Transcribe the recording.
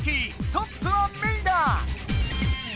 トップはメイだ！